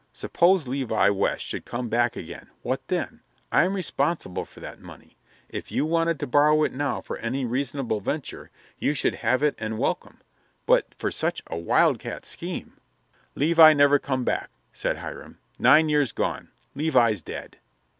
Suppose Levi West should come back again, what then? I'm responsible for that money. If you wanted to borrow it now for any reasonable venture, you should have it and welcome, but for such a wildcat scheme " "Levi never come back," said Hiram "nine years gone Levi's dead."